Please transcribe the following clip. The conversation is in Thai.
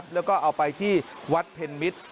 แล้วก็เอาไปที่วัดเพ็ญมิตร